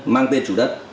mang tên chủ đất